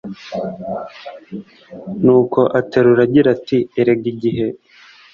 nuko aterura agira ati” erege igihe